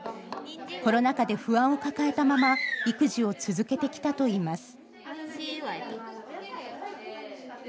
コロナ禍で不安を抱えたまま育児を続けてきたといいます。